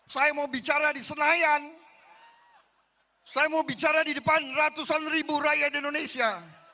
saya mau bicara di senayan saya mau bicara di depan ratusan ribu rakyat indonesia